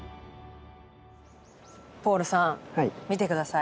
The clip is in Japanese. ポールさん見て下さい。